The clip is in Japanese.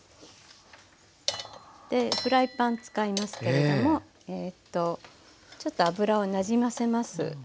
でフライパン使いますけれどもちょっと油をなじませます。